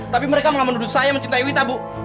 tapi mereka menuduh saya mencintai wita bu